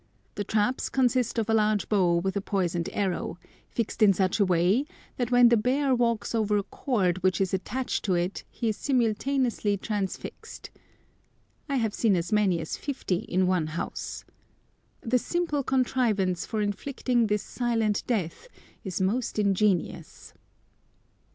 The traps consist of a large bow with a poisoned arrow, fixed in such a way that when the bear walks over a cord which is attached to it he is simultaneously transfixed. I have seen as many as fifty in one house. The simple contrivance for inflicting this silent death is most ingenious.